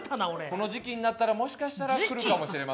この時期になったらもしかしたら来るかもしれませんね。